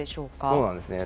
そうなんですね。